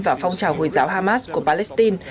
và phong trào hồi giáo hamas của palestine